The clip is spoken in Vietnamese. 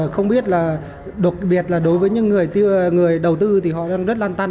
không biết là đột biệt là đối với những người đầu tư thì họ đang rất lan tăn